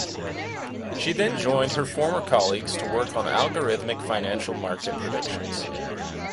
She then joined her former colleagues to work on algorithmic financial market predictions.